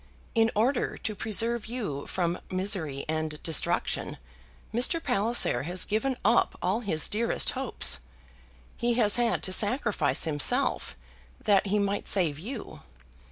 In order to preserve you from misery and destruction, Mr. Palliser has given up all his dearest hopes. He has had to sacrifice himself that he might save you.